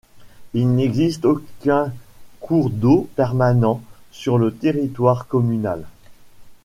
Il n'existe aucun cours d'eau permanent sur le territoire communal.